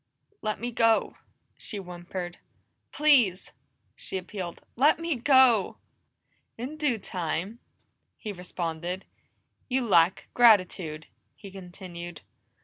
"Let me go," she whimpered. "Please!" she appealed. "Let me go!" "In due time," he responded. "You lack gratitude," he continued.